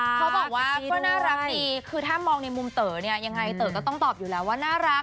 เขาบอกว่าก็น่ารักดีคือถ้ามองในมุมเต๋อเนี่ยยังไงเต๋อก็ต้องตอบอยู่แล้วว่าน่ารัก